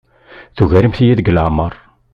Tugarem-iyi deg leɛmeṛ.